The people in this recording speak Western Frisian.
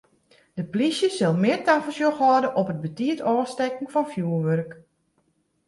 De polysje sil mear tafersjoch hâlde op it te betiid ôfstekken fan fjurwurk.